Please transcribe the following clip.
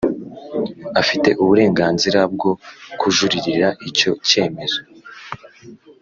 Afite uburenganzira bwo kujuririra icyo cyemezo